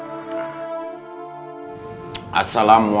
assalamualaikum warahmatullahi wabarakatuh